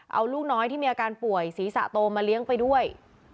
เอาลูกน้อยที่มีอาการป่วยศีรษะโตมาเลี้ยงไปด้วย